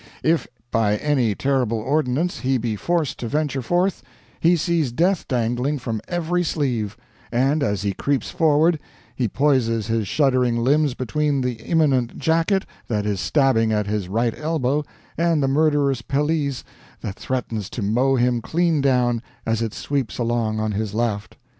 If by any terrible ordinance he be forced to venture forth, he sees death dangling from every sleeve; and, as he creeps forward, he poises his shuddering limbs between the imminent jacket that is stabbing at his right elbow and the murderous pelisse that threatens to mow him clean down as it sweeps along on his left.